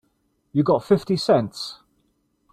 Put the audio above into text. You got fifty cents?